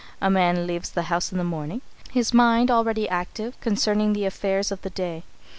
A man leaves the house in the morning, his mind already active concerning the affairs of the day.